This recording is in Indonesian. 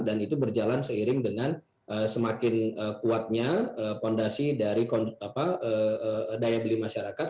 itu berjalan seiring dengan semakin kuatnya fondasi dari daya beli masyarakat